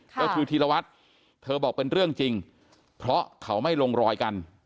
ก็คือธีรวัตรเธอบอกเป็นเรื่องจริงเพราะเขาไม่ลงรอยกัน